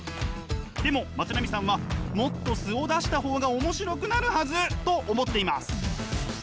でもまつなみさんはもっと素を出した方が面白くなるはずと思っています。